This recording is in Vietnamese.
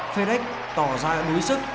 fedex tỏ ra đối sức